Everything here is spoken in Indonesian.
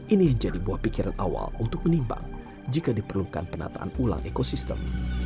ini yang jadi buah pikiran awal untuk menimbang jika diperlukan penataan ulang ekosistem